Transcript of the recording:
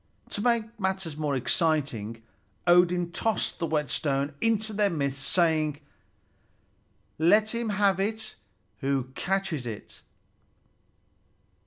To make matters more exciting, Odin tossed the whetstone into their midst, saying: "Let him have it who catches it!"